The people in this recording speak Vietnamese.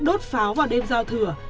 đốt pháo vào đêm giao thừa